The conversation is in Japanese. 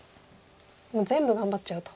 もう全部頑張っちゃうと。